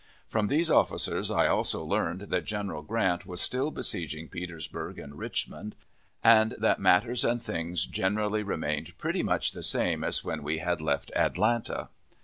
From these officers I also learned that General Grant was still besieging Petersburg and Richmond, and that matters and things generally remained pretty much the same as when we had left Atlanta.